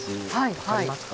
分かりますか？